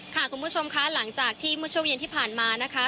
ค่ะคุณผู้ชมคะหลังจากที่มุชโชคเย็นที่ผ่านมานะคะ